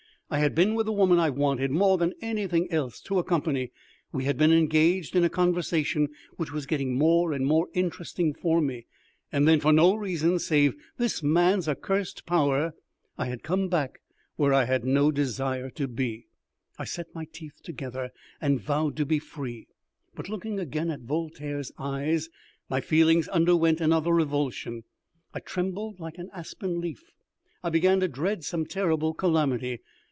I had been with the woman I wanted, more than anything else, to accompany, we had been engaged in a conversation which was getting more and more interesting for me, and then, for no reason save this man's accursed power, I had come back where I had no desire to be. I set my teeth together and vowed to be free, but, looking again at Voltaire's eyes, my feelings underwent another revulsion. I trembled like an aspen leaf. I began to dread some terrible calamity.